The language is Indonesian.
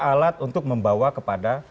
alat untuk membawa kepada